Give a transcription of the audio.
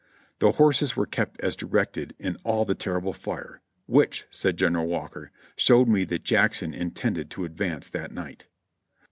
The horses were kept as directed, in all the terrible fire, "Which," said General Walker, "showed me that Jackson intended to advance that night."